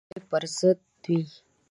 دښمن د خوشحالۍ پر ضد وي